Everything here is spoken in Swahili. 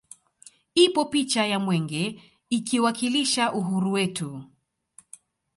Ipo picha ya mwenge ikiwakilisha uhuru wetu